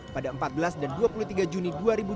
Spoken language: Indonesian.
pada empat belas dan dua puluh tiga juni dua ribu dua puluh